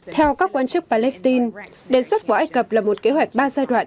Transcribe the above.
theo các quan chức palestine đề xuất của ai cập là một kế hoạch ba giai đoạn